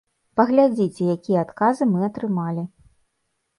Паглядзіце, якія адказы мы атрымалі.